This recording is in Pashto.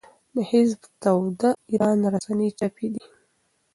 د حزب توده ایران رسنۍ چاپېدې.